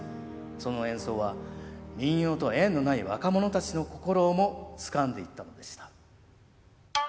その演奏は民謡と縁のない若者たちの心をもつかんでいったのでした。